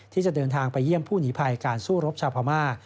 ที่จะเดินทางไปเยี่ยมผู้หนีภัยการสู้รบชาวพม่า